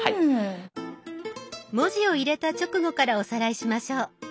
文字を入れた直後からおさらいしましょう。